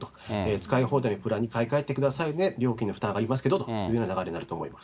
使い放題プランに買い替えてくださいね、料金の負担ありますけどという流れになると思います。